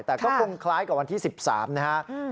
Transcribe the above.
แต่ก็คงคล้ายกับวันที่๑๓นะครับ